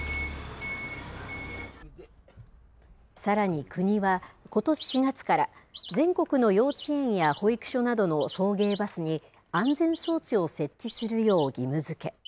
さらに国は、ことし４月から、全国の幼稚園や保育所などの送迎バスに安全装置を設置するよう義務づけ。